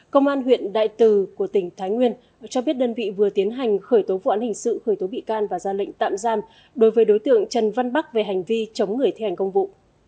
công an huyện đại từ của tỉnh thái nguyên cho biết đơn vị vừa tiến hành khởi tố vụ án hình sự khởi tố bị can và ra lệnh tạm giam đối với đối tượng trần văn bắc về hành vi chống người thi hành công vụ